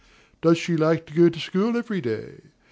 Does she like to go to school every day?